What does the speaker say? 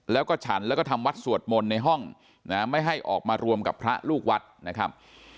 แล้วก็ฉันแล้วก็ทำวัดสวดมนต์ในห้องนะไม่ให้ออกมารวมกับพระลูกวัดนะครับ